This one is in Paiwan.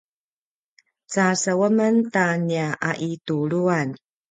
casaw a men ta nia aituluan